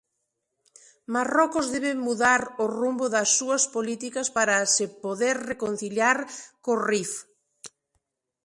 Marrocos debe mudar o rumbo das súas políticas para se poder reconciliar co Rif.